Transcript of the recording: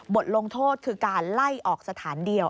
บทลงโทษคือการไล่ออกสถานเดียว